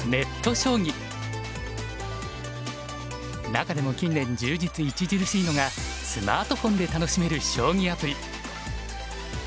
中でも近年充実著しいのがスマートフォンで楽しめる将棋アプリ。